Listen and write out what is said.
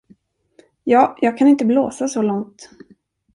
Ja, jag kan inte blåsa så långt.